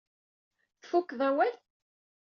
Tfukeḍ awal?